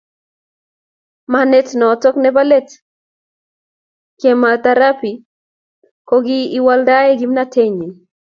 manet noto nebo let nebo kemotherapi koki iwaaldae kimnatenyin